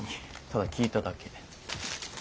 ただ聞いただけ。